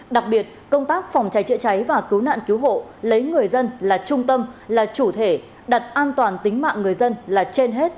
đặc biệt công tác phòng cháy chữa cháy và cứu nạn cứu hộ lấy người dân là trung tâm là chủ thể đặt an toàn tính mạng người dân là trên hết